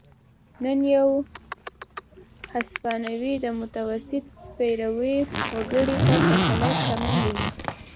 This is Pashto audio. نن یو هسپانوی د متوسط پیرويي وګړي په پرتله شتمن دی.